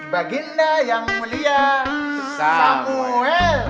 baginda yang mulia samuel